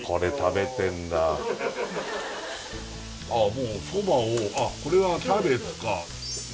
もうそばをあっこれはキャベツか豚です